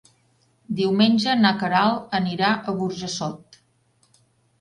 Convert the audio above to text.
Diumenge na Queralt anirà a Burjassot.